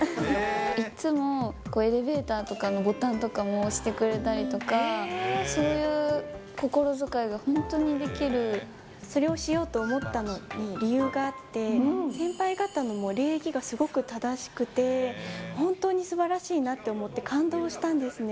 いつもエレベーターとかのボタンとかも押してくれたりとか、それをしようと思ったのに理由があって、先輩方の礼儀がすごく正しくて、本当にすばらしいなって思って感動したんですね。